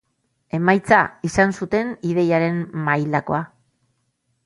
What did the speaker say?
Emaitza, izan zuten ideiaren mailakoa.